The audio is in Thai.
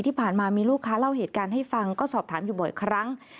ที่ผ่านมามีลูกค้าเล่าเหตุการณ์ให้ฟังก็สอบถามอยู่บ่อยครั้ง